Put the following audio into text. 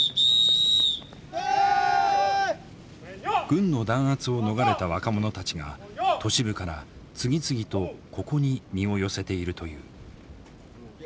軍の弾圧を逃れた若者たちが都市部から次々とここに身を寄せているという。